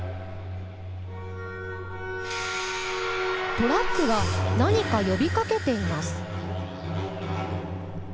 トラックが何か呼びかけています。